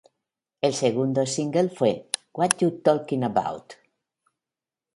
El segundo single fue "What You Talking About!?